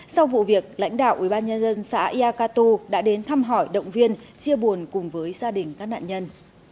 sau vụ việc lãnh đạo ubnd xã yacatu đã đến thăm hỏi động viên chia buồn cùng với gia đình các nạn nhân